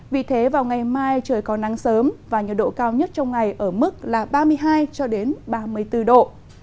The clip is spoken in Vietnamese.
vì thế vào ngày mai trời có nắng sớm và nhiệt độ cao nhất trong ngày ở mức là ba mươi hai ba mươi bốn độ